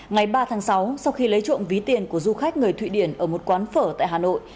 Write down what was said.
ngày ba tháng sáu sau khi lấy trộm ví tiền của du khách người thụy điển ở một quán phở tại hà nội